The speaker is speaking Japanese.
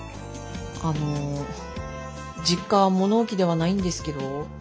あの実家は物置ではないんですけど。